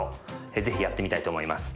ぜひやってみたいと思います。